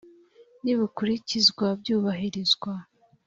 n ibikurikizwa byubahirizwa